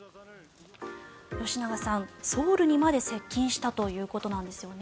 吉永さん、ソウルにまで接近したということなんです。